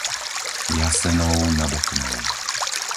Jasenov nad Oknou